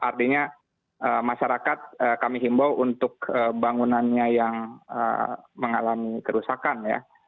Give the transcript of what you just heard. artinya masyarakat kami himbau untuk bangunannya yang mengalami kerusakan ya